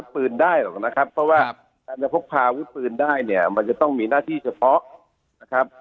เพราะว่าการที่จะพกพาวุฒิพืนได้มันจะต้องมีหน้าที่เฉพาะ